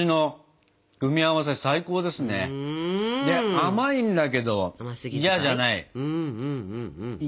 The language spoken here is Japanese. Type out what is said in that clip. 甘いんだけど嫌じゃない。